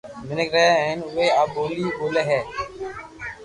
مينک رھي ھي ھين اووي آ ٻولي ٻولي ھي